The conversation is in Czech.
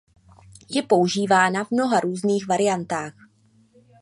Je používána v mnoha různých variantách.